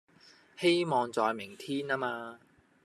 希望在明天啊嘛